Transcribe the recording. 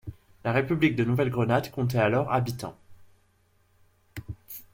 La République de Nouvelle-Grenade comptait alors habitants.